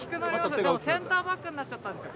センターバックになっちゃったんですよ。